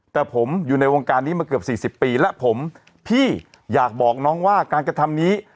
แต่ผมอยู่ในวงการนี้มาเกือบ๔๐ปีและผมพี่อยากบอกน้องว่าการกระทำนี้